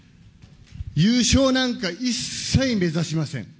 優勝なんか一切目指しません。